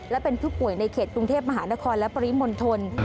และเป็นผู้ป่วยในเขตกรุงเทพมหานครและปริมณฑล